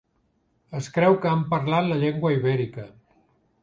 Es creu que han parlat la llengua ibèrica.